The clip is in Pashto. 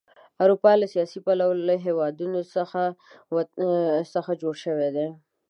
اروپا له سیاسي پلوه له هېوادونو څخه جوړه شوې.